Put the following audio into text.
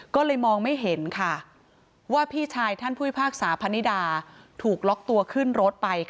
ก็เลยมองไม่เห็นว่าพี่ชายท่านผู้พิพากษาพนิดาถูกล็อกตัวขึ้นรถไป